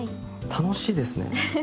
楽しいですね。